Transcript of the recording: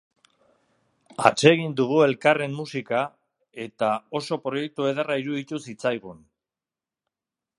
Atsegin dugu elkarren musika, eta oso proiektu ederra iruditu zitzaigun.